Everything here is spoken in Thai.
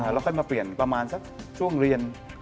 แล้วค่อยมาเปลี่ยนประมาณสักช่วงเรียน